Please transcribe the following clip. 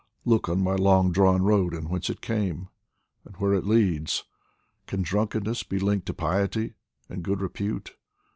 Look on my long drawn road, and whence it came, And where it leads ! Can drunkenness be linked to piety And good repute